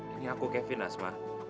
ini aku kevin asma